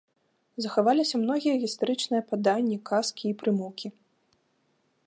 Захаваліся многія гістарычныя паданні, казкі і прымаўкі.